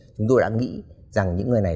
chúng tôi đã nghĩ rằng những người này